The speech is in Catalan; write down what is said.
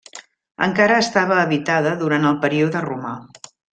Encara estava habitada durant el període romà.